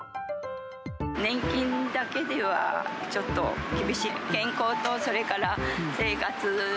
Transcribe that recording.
年金だけではちょっと厳しい。